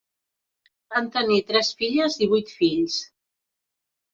Van tenir tres filles i vuit fills.